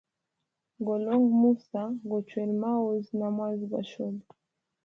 Golonga musa, gochwela maozi na mwazi gwa shobe.